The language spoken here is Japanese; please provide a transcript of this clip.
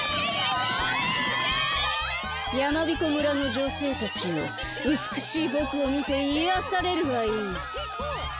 やまびこ村のじょせいたちようつくしいぼくをみていやされるがいい！